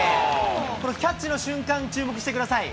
このキャッチの瞬間、注目してください。